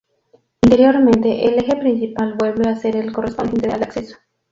Interiormente el eje principal vuelve a ser el correspondiente al acceso.